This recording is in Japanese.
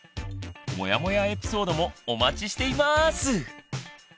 モヤモヤエピソードもお待ちしています！